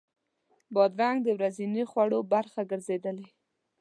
بادرنګ د ورځني خوړو برخه ګرځېدلې.